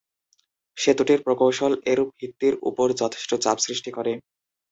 সেতুটির প্রকৌশল এর ভিত্তির উপর যথেষ্ট চাপ সৃষ্টি করে।